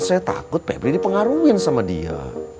saya takut pebri dipengaruhi sama dia